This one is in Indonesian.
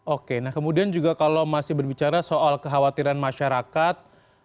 oke nah kemudian juga kalau masih berbicara soal kekhawatiran masyarakat